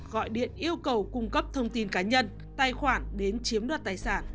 gọi điện yêu cầu cung cấp thông tin cá nhân tài khoản đến chiếm đoạt tài sản